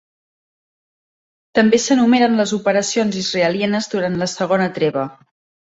També s'enumeren les operacions israelianes durant la segona treva.